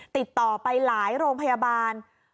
ติดต่อไปหลายโรงพยาบาล